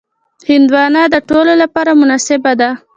هندوانه د ټولو لپاره مناسبه ده.